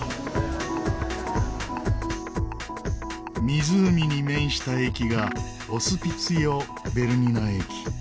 湖に面した駅がオスピツィオ・ベルニナ駅。